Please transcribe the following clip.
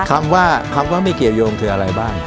คำว่าคำว่ามีเกียรติ์โยงคืออะไรบ้าง